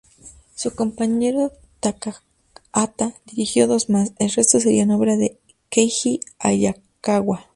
Su compañero Takahata dirigió dos más, el resto serían obra de Keiji Hayakawa.